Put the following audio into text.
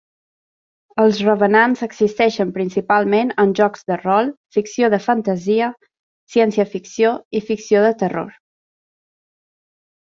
Els Revenants existeixen principalment en jocs de rol, ficció de fantasia, ciència-ficció, i ficció de terror.